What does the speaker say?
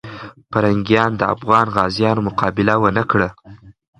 پرنګیان د افغان غازیو مقابله ونه کړه.